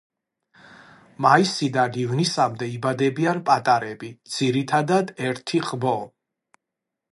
მაისიდან ივნისამდე იბადებიან პატარები, ძირითადად ერთი ხბო.